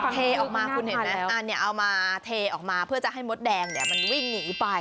เทออกมาคุณเห็นไหมเอามาเทออกมาเพื่อจะให้มดแดงมันวิ่งหนีไป